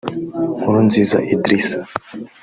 Nkurunziza Idrissa